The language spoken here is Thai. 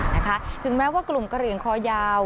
นะคะถึงแม้ว่ากลุ่มกระเหลี่ยงคอยาว